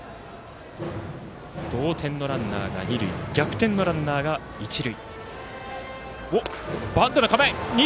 同点のランナーが二塁逆転のランナーが一塁。